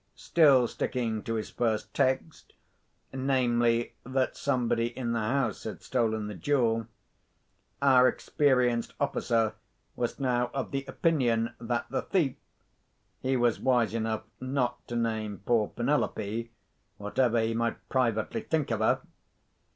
Still sticking to his first text, namely, that somebody in the house had stolen the jewel, our experienced officer was now of the opinion that the thief (he was wise enough not to name poor Penelope, whatever he might privately think of her!)